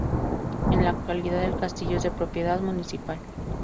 En la actualidad el castillo es de propiedad municipal.